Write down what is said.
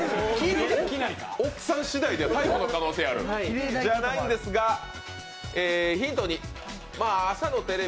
奥さんしだいで変わる？じゃないんですが、ヒント２。